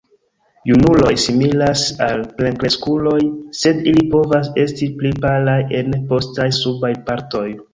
Junuloj similas al plenkreskuloj, sed ili povas esti pli palaj en postaj subaj partoj.